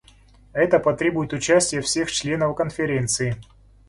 Это потребует участия всех членов Конференции.